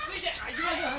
行きましょう。